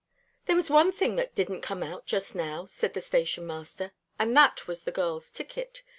"There was one thing that didn't come out just now," said the station master, "and that was the girl's ticket.